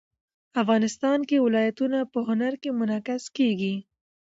افغانستان کې ولایتونه په هنر کې منعکس کېږي.